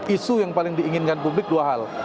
isu yang paling diinginkan publik dua hal